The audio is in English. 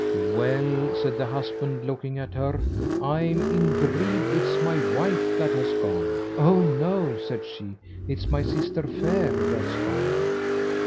"Well," said the husband, looking at her, "I'm in dread it's my wife that has gone." "Oh! no," said she; "it's my sister Fair that's gone."